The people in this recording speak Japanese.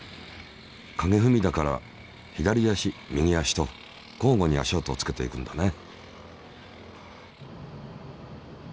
影ふみだから左足右足と交互に足跡をつけていくんだね。